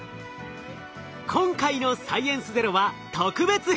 今回の「サイエンスＺＥＲＯ」は特別編！